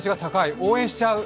応援しちゃう。